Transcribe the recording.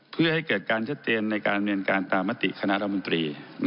เพื่อให้เกิดการเชื่อเตรียนในการอำเนียนการตามมติฯคณะรัฐบนตรี